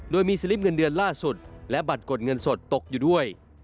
โดยมีสลิปเงินเดือนล่าสุดและบัตรกดเงินสดตกอยู่ด้วย